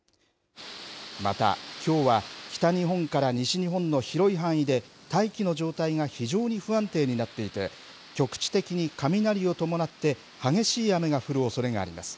また、きょうは北日本から西日本の広い範囲で、大気の状態が非常に不安定になっていて、局地的に雷を伴って激しい雨が降るおそれがあります。